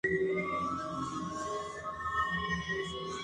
Alice se reveló más tarde a ser un demonio como ella procede a atacarlo.